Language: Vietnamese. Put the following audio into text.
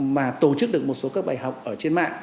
mà tổ chức được một số các bài học ở trên mạng